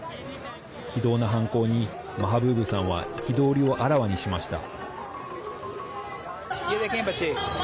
非道な犯行にマハブーブさんは憤りをあらわにしました。